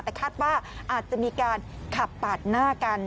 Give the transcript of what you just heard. แต่คาดว่าอาจจะมีการขับปาดหน้ากัน